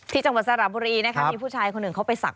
ที่จังหวัดสนับปรีมีผู้ชายคนหนึ่งเขาไปศักดิ์